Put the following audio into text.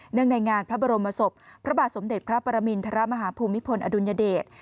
ในงานพระบรมศพพระบาทสมเด็จพระปรมินทรมาฮภูมิพลอดุลยเดช